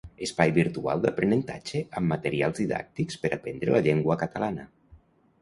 Espai virtual d'aprenentatge amb materials didàctics per aprendre la llengua catalana.